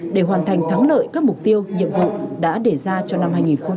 để hoàn thành thắng lợi các mục tiêu nhiệm vụ đã đề ra cho năm hai nghìn hai mươi